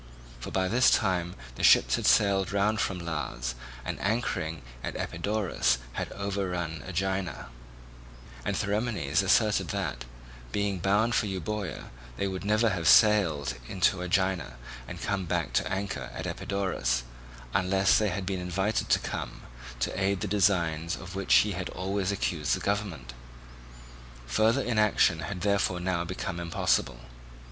For by this time the ships had sailed round from Las, and anchoring at Epidaurus had overrun Aegina; and Theramenes asserted that, being bound for Euboea, they would never have sailed in to Aegina and come back to anchor at Epidaurus, unless they had been invited to come to aid in the designs of which he had always accused the government. Further inaction had therefore now become impossible.